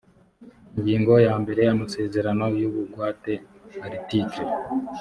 ingingo ya mbere amasezerano y ubugwate article